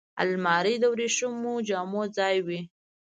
الماري د وریښمو جامو ځای وي